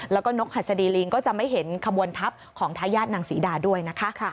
แล้วก็นกหัสดีลิงก็จะไม่เห็นขบวนทัพของทายาทนางศรีดาด้วยนะคะ